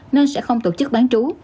nên sẽ không tổ chức bán trú